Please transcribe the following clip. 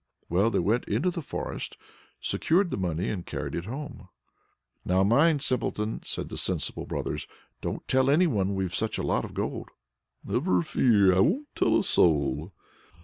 Well, they went into the forest, secured the money, and carried it home. "Now mind, Simpleton," say the sensible brothers, "don't tell anyone that we've such a lot of gold." "Never fear, I won't tell a soul!"